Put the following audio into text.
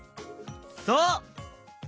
そう！